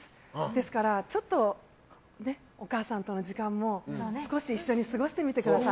ですからちょっとお母さんとの時間も少し一緒に過ごしてみてください。